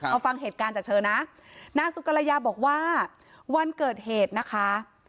เอาฟังเหตุการณ์จากเธอนะนางสุกรยาบอกว่าวันเกิดเหตุนะคะ